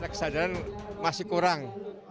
kesadaran masih kurang